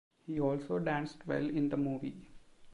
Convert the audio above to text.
He also danced well in the movie.